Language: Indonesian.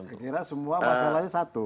saya kira semua masalahnya satu